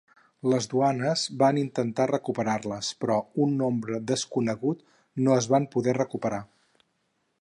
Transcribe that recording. Les duanes van intentar recuperar-les, però un nombre desconegut no es van poder recuperar.